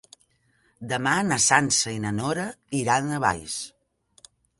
Demà na Sança i na Nora iran a Valls.